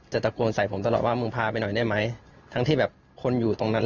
ตะโกนใส่ผมตลอดว่ามึงพาไปหน่อยได้ไหมทั้งที่แบบคนอยู่ตรงนั้น